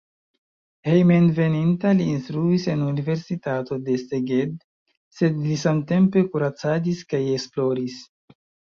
Hejmenveninta li instruis en universitato de Szeged, sed li samtempe kuracadis kaj esploris.